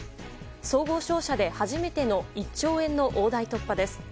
総合商社で初めての１兆円の大台突破です。